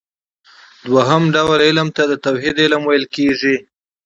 دوهم ډول علم ته د توحيد علم ويل کېږي .